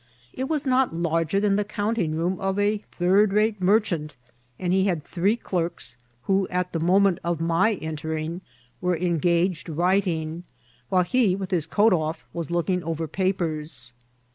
It was not larger than the counting room of a third rate merchant, and he had three clerks, who at the mo ment of my entering were engaged writing, while he, with his coat off, was looking over p^qpers.